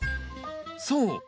そう。